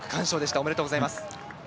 おめでとうございます。